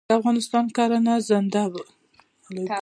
د افغانستان کرنه زنده باد.